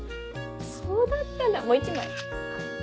そうだったんだもう一枚。